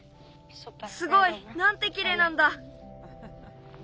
すごい！なんてきれいなんだ。